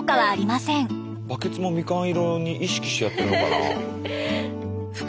バケツもみかん色に意識してやってるのかな。